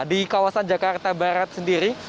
di kawasan jakarta barat sendiri